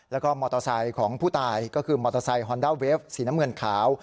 แล้วก็มอเตอร์ไซค์ของผู้ตายก็คือมอเตอร์ไซค์ฮอนด้าเวฟสีน้ำเงินขาว